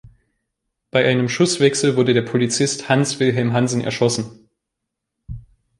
Bei einem Schusswechsel wurde der Polizist Hans-Wilhelm Hansen erschossen.